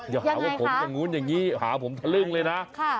อย่าหาว่าผมอย่างนู้นอย่างนี้หาผมทะลึ่งเลยนะ